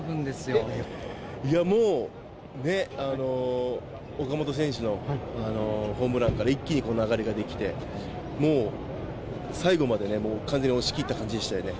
いやもう、岡本選手のホームランから一気に流れが出来て、もう最後までね、完全に押し切った感じでしたよね。